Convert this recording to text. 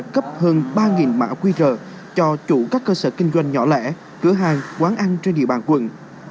cấp hơn ba mã qr cho chủ các cơ sở kinh doanh nhỏ lẻ cửa hàng quán ăn trên địa bàn quận